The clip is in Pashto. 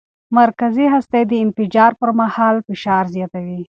مرکزي هستي د انفجار پر مهال فشار زیاتوي.